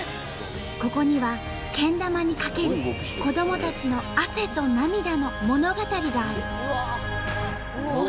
ここにはけん玉に懸ける子どもたちの汗と涙の物語がある。